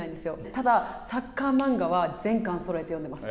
ただ、サッカー漫画は、全巻そろえて読んでます。